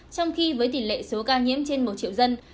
trong khi với tỷ lệ số ca nhiễm trên một triệu dân